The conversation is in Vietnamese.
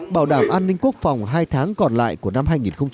bảo đảm an ninh quốc phòng hai tháng còn lại của năm hai nghìn một mươi bảy